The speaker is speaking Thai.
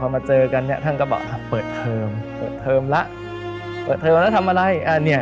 พอมาเจอกันท่านก็บอกเปิดเทอมเปิดเทอมแล้วเปิดเทอมแล้วทำอะไร